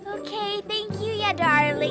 oke thank you ya darling ya i love you